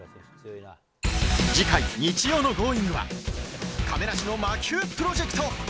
次回、日曜の『Ｇｏｉｎｇ！』は亀梨の魔球プロジェクト。